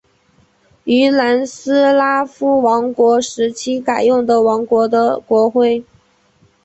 于南斯拉夫王国时期改用王国的国徽。